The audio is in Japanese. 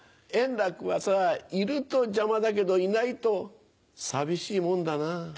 円楽はさぁいると邪魔だけどいないと寂しいもんだなぁ。